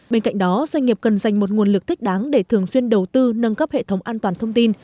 bên cạnh đó doanh nghiệp cần dành một nguồn lực thích đáng để thường xuyên đầu tư nâng cấp hệ thống an toàn thông tin